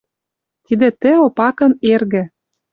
Тидӹ тӹ Опакын эргӹ